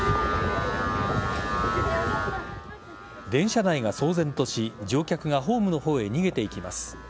電車内が騒然とし乗客がホームの方へ逃げていきます。